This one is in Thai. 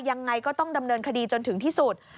ยังไงก็ต้องดำเนินคดีจนถึงที่สุด